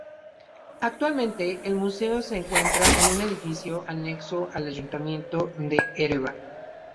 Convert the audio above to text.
Actualmente, el museo se encuentra en un edificio anexo al Ayuntamiento de Ereván.